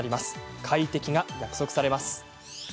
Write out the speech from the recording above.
快適が約束されます。